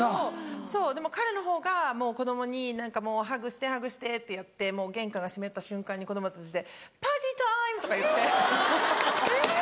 そうでも彼のほうが子供に「ハグしてハグして」ってやって玄関が閉まった瞬間に子供たちで「パーティータイム！」とか言って。